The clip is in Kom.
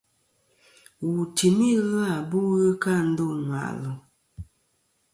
Wù n-tùmi ɨlvâ bu ghɨ kɨ a ndô ŋwàʼlɨ̀.